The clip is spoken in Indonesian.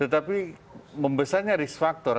tapi membesarnya risk factor